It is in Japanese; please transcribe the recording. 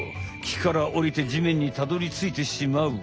木からおりて地面にたどりついてしまう。